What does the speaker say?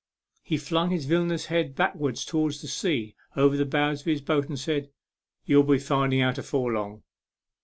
He flung his villainous head backwards to wards the sea over the bows of his boat and said, " You'll be finding out afore long."